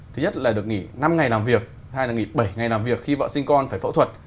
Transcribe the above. thứ nhất là được nghỉ năm ngày làm việc hai là nghỉ bảy ngày làm việc khi vợ sinh con phải phẫu thuật